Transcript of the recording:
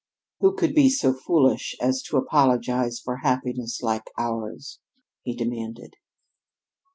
"Who could be so foolish as to apologize for happiness like ours?" he demanded.